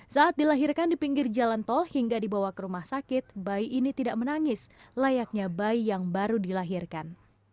saat dilahirkan di pinggir jalan tol hingga dibawa ke rumah sakit bayi ini tidak menangis layaknya bayi yang baru dilahirkan